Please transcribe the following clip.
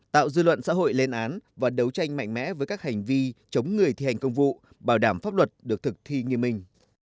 tạo dư luận xã hội lên án và đấu tranh mạnh mẽ với các hành vi chống người thi hành công vụ bảo đảm pháp luật được thực thi nghiêm minh